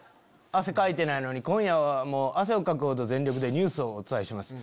汗かいてないのに「今夜も汗をかくほど全力でニュースをお伝えします。